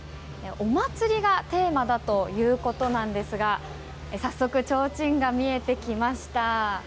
お祭りがテーマだということですが早速ちょうちんが見えてきました。